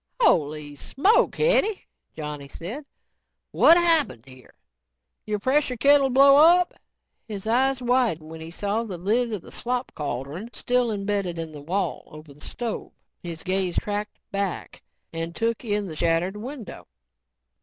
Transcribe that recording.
"Holy smoke, Hetty," Johnny said. "What happened here? Your pressure kettle blow up?" His eyes widened when he saw the lid of the slop cauldron still embedded in the wall over the stove. His gaze tracked back and took in the shattered window.